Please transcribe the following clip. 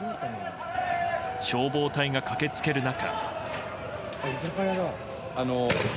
消防隊が駆けつける中。